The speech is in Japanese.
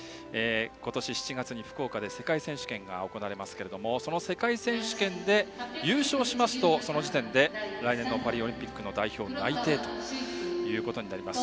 今年７月に福岡で世界選手権が行われますがその世界選手権で優勝しますとその時点で来年のパリオリンピックの代表に内定となります。